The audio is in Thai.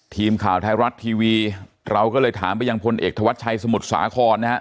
ทีมข่าวไทยรัฐทีวีเราก็เลยถามไปยังพลเอกธวัชชัยสมุทรสาครนะฮะ